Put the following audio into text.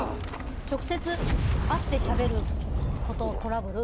直接会ってしゃべることをトラブル。